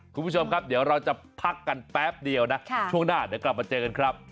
คุณผู้ชมครับเดี๋ยวเราจะพักกันแป๊บเดียวนะช่วงหน้าเดี๋ยวกลับมาเจอกันครับ